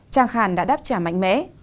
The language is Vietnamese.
trang hàn đã đáp trả mạnh mẽ